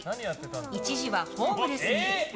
一時はホームレスに。